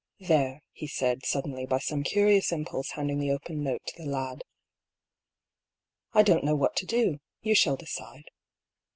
"There," he said, suddenly, by some curious impulse handing the open note to the lad. " I don't know what to do. You shall decide."